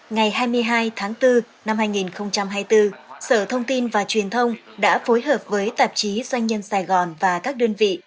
ngày hai mươi hai tháng bốn năm hai nghìn hai mươi bốn sở thông tin và truyền thông đã phối hợp với tạp chí doanh nhân sài gòn và các đơn vị